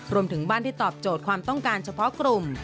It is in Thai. รวมถึงบ้านที่ตอบโจทย์ความต้องการเฉพาะกลุ่ม